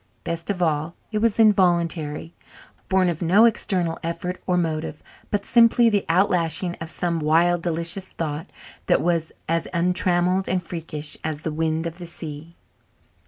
Best of all, it was involuntary, born of no external effort or motive, but simply the outflashing of some wild, delicious thought that was as untrammelled and freakish as the wind of the sea.